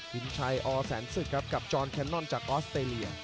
วินชัยอแสนศึกครับกับจอนแคนนอนจากออสเตรเลีย